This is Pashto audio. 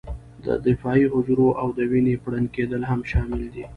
د دفاعي حجرو او د وینې پړن کېدل هم شامل دي.